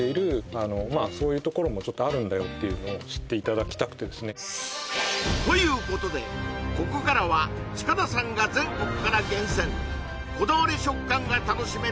あのまあそういうところもちょっとあるんだよっていうのを知っていただきたくてですねということでここからは塚田さんがをご紹介まあ